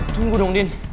tunggu dong din